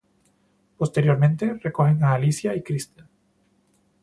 Posteriormente, recogen a Alicia y Kristen.